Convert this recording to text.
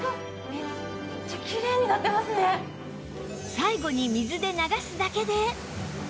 最後に水で流すだけで